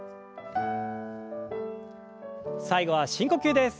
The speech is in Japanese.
最後は深呼吸です。